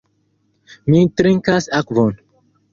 Mi trinkas akvon.